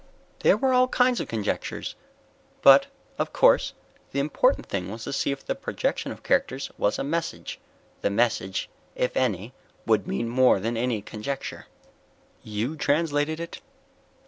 "There were all kinds of conjectures, but, of course, the important thing was to see if the projection of characters was a message. The message, if any, would mean more than any conjecture." "You translated it?"